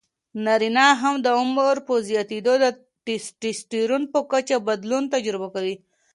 نارینه هم د عمر په تېریدو د ټیسټسټرون په کچه بدلون تجربه کوي.